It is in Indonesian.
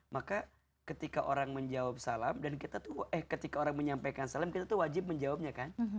maka ketika orang menjawab salam dan kita tuh eh ketika orang menyampaikan salam kita tuh wajib menjawabnya kan